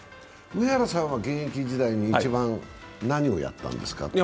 上原さんは現役時代に一番何をやったんですか？